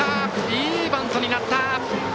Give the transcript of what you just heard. いいバントになった。